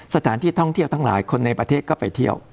สถานที่ท่องเที่ยวทั้งหลายคนในประเทศก็ไปเที่ยว